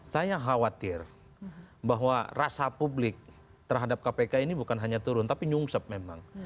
saya khawatir bahwa rasa publik terhadap kpk ini bukan hanya turun tapi nyungsep memang